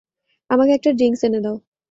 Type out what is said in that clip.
আমাকে একটা ড্রিংকস এনে দাও।